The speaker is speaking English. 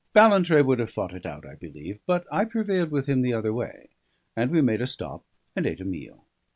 Ballantrae would have fought it out, I believe; but I prevailed with him the other way; and we made a stop and ate a meal.